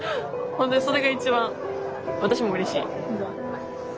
本当にそれが一番私もうれしい。